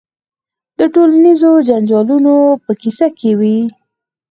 د ټولنیزو جنجالونو په کیسه کې وي.